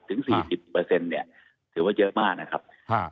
ถึงสี่สิบเปอร์เซ็นต์เนี่ยถือว่าเยอะมากนะครับอ่า